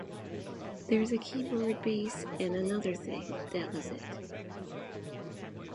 There's a keyboard bass and another thing, and that was it.